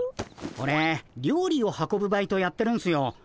オレ料理を運ぶバイトやってるんすよ。